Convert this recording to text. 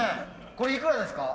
これいくらですか？